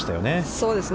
そうですね。